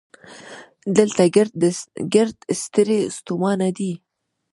دلته ګړد ستړي ستومانه دي